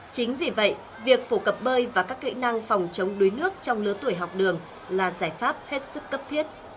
chính vì vậy việc phổ cập bơi và các kỹ năng phòng chống đuối nước trong lứa tuổi học đường là giải pháp hết sức cấp thiết